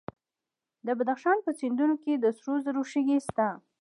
د بدخشان په سیندونو کې د سرو زرو شګې شته.